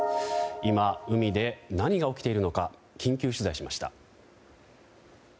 今、海で何が起きているのか緊急取材しました。